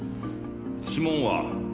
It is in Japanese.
指紋は？